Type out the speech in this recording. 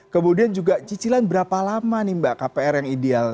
kemudian juga cicilan berapa lama nih mbak kpr yang ideal